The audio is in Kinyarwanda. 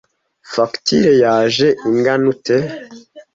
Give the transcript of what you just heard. fagitire yaje ingana ute